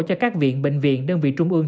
cho các viện bệnh viện đơn vị trung ương